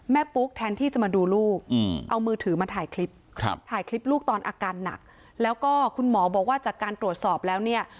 ปุ๊กแทนที่จะมาดูลูกเอามือถือมาถ่ายคลิปถ่ายคลิปลูกตอนอาการหนักแล้วก็คุณหมอบอกว่าจากการตรวจสอบแล้วเนี่ย